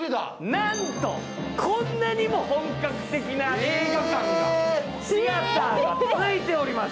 なんとこんなにも本格的な映画館が、シアターがついております。